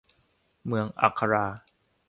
เหมืองอัครา